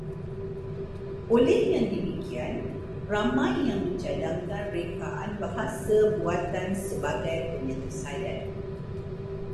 Oleh yang demikian, ramai yang mencadangkan rekaan bahasa buatan sebagai penyelesaian